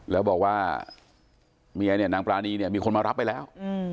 แล้วบอกว่านางปรานีมีคนมารับไปแล้ว